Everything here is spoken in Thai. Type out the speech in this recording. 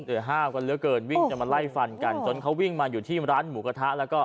เหลือเกินวิ่งกับมาละไหล่ฟันกันจนเขาวิ่งมาที่ร้านหมูกระทะ